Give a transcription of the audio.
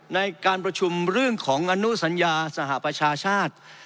ในการประชุมเรื่องของอนุสัญญาสหประชาชาติ